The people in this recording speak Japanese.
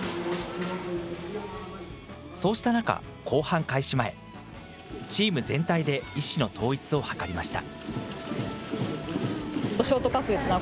そうした中、後半開始前、チーム全体で意志の統一を図りました。